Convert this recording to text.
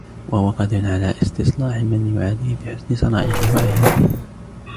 وَهُوَ قَادِرٌ عَلَى اسْتِصْلَاحِ مَنْ يُعَادِيهِ بِحُسْنِ صَنَائِعِهِ وَأَيَادِيهِ